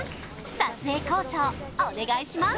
撮影交渉お願いします